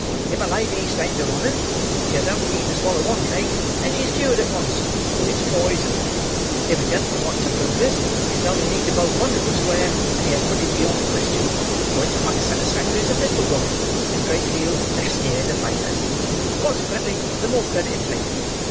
If a lady stains her honour, she has only need to swallow one cake and she's cured at once—for it's poison. If a gentleman wants to prove this, he has only need to bolt one little square, and he has put it beyond question—for it's quite as satisfactory as a pistol bullet, and a great deal nastier in the flavour, consequently the more credit in taking it.